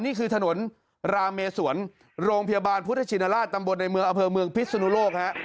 นี่คือถนนราเมสวนโรงพยาบาลพุทธชินราชตำบลในเมืองอำเภอเมืองพิศนุโลกฮะ